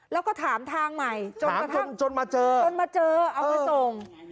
แล้วก็ถามทางใหม่จนมาเจอเอามาส่ง